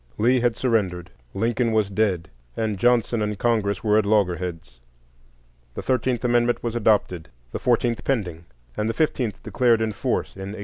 Lee had surrendered, Lincoln was dead, and Johnson and Congress were at loggerheads; the Thirteenth Amendment was adopted, the Fourteenth pending, and the Fifteenth declared in force in 1870.